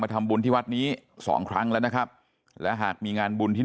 ทำบุญที่วัดนี้สองครั้งแล้วนะครับและหากมีงานบุญที่